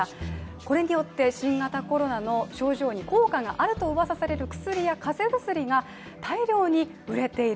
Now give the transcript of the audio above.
これによって新型コロナの症状に効果があるとうわさされる薬や風邪薬が大量に売れている、